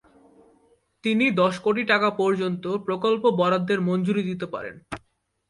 তিনি দশ কোটি টাকা পর্যন্ত প্রকল্প বরাদ্দের মঞ্জুরি দিতে পারেন।